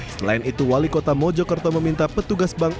selain itu wali kota mojokerto meminta petugas bank